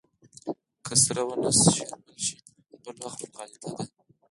که سره ونه شاربل شي بل وخت مغالطه ده.